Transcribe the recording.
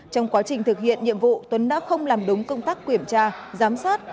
trong quá trình thực hiện nhiệm vụ tuấn đã không làm đúng công tác quyểm tra giám sát